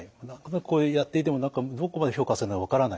こうやっていても何かどこまで評価されるのか分からない。